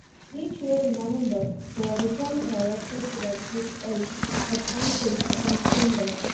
Each year in November, the Rhythm Riot Festival is held at Pontin's in Camber.